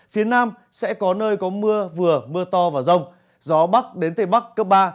phía nam sẽ có nơi có mưa vừa mưa to và rông gió bắc đến tây bắc cấp ba